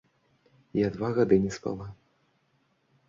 Я два гады не спала.